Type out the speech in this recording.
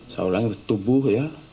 seolah olah tubuh ya